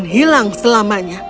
akan hilang selamanya